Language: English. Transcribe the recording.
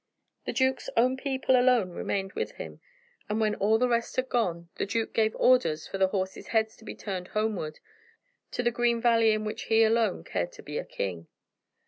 The duke's own people alone remained with him, and, when all the rest had gone, the duke gave orders for the horses' heads to be turned homeward, to the green valley in which alone he cared to be a king.